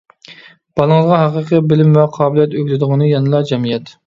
بالىڭىزغا ھەقىقىي بىلىم ۋە قابىلىيەت ئۆگىتىدىغىنى يەنىلا جەمئىيەت.